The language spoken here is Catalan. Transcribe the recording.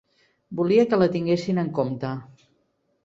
Volia que la tinguessin en compte.